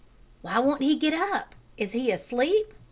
"Why won't he get up? Is he asleep?"